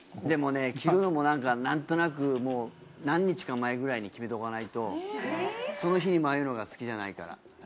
でもね着るのもなんとなく何日か前ぐらいに決めとかないとその日迷うのが好きじゃないから。